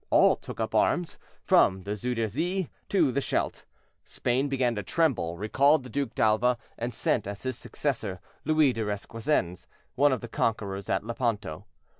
All took up arms, from the Zuyderzee to the Scheldt. Spain began to tremble, recalled the Duc d'Alva, and sent as his successor Louis de Requesens, one of the conquerors at Lepanto.